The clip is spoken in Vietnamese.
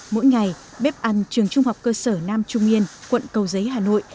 mỗi ngày bếp ăn trường trung học cơ sở nam trung yên quận cầu giấy hà nội